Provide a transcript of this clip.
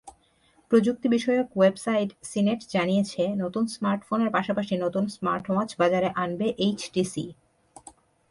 প্রযুক্তিবিষয়ক website CNET জানিয়েছে, নতুন স্মার্টফোনের পাশাপাশি নতুন স্মার্টওয়াচ বাজারে আনবে এইচটিসি।